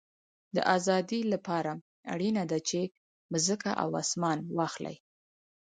د آزادۍ له پاره اړینه ده، چي مځکه او اسمان واخلې.